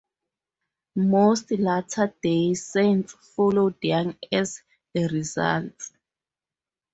Most Latter Day Saints followed Young as a result.